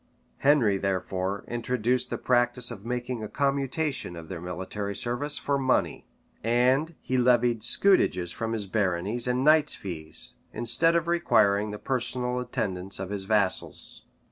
Henry, therefore, introduced the practice of making a commutation of their military service for money; and he levied scutages from his baronies and knights' fees, instead of requiring the personal attendance of his vassals.